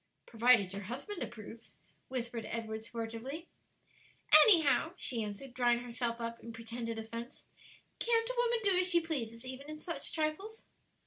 "Provided your husband approves," whispered Edward sportively. "Anyhow," she answered, drawing herself up in pretended offence; "can't a woman do as she pleases even in such trifles?"